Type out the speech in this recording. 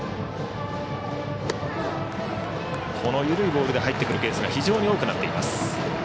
緩いボールで入ってくるケースが非常に多くなっています。